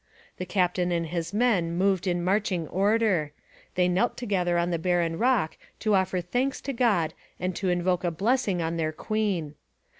The captain and his men moved in marching order: they knelt together on the barren rock to offer thanks to God and to invoke a blessing on their queen.